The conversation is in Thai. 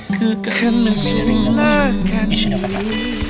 ขึ้นกับขั้นเมืองสูงและขั้นที